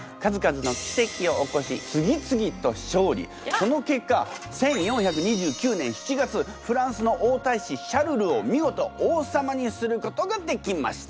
その結果１４２９年７月フランスの王太子シャルルを見事王様にすることができました。